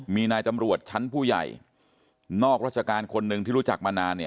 มีนายตำรวจชั้นผู้ใหญ่นอกราชการคนหนึ่งที่รู้จักมานาน